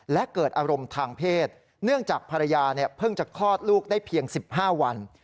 และเกิดอารมณ์ทางเพศเนื่องจากภรรยาเพิ่งจะคลอดลูกได้เพียง๑๕วัน